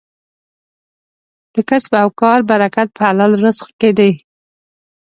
د کسب او کار برکت په حلال رزق کې دی.